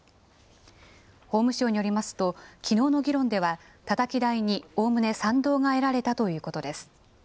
法務省によりますと、きのうの議論では、たたき台におおむね賛同が得られたということです。